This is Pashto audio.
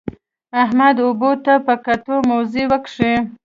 احمد اوبو ته په کتو؛ موزې وکښې.